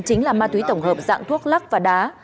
chính là ma túy tổng hợp dạng thuốc lắc và đá